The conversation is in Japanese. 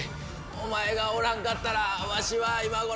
お前がおらんかったらわしは今頃。